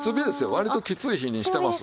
割ときつい火にしてます。